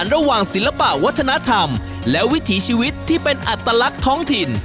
ระหว่างศิลปะวัฒนธรรมและวิถีชีวิตที่เป็นอัตลักษณ์ท้องถิ่น